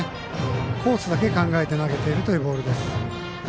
コースだけ考えて投げているボールです。